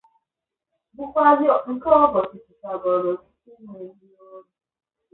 bụkwazị nke o gosipụtagoro site n'ezi ọrụ.